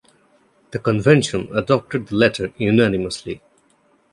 The Convention adopted the letter unanimously.